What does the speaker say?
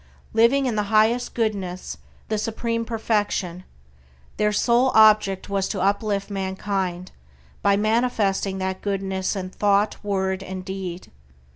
Living in the highest Goodness, the supreme Perfection, their sole object was to uplift mankind by manifesting that Goodness in thought, word, and deed.